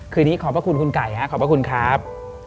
คืนนี้ขอบพระคุณคุณไก่ฮะขอบพระคุณครับ